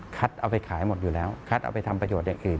เอาไปขายหมดอยู่แล้วคัดเอาไปทำประโยชน์อย่างอื่น